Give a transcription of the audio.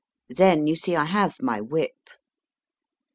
Then, you see, I have my whip.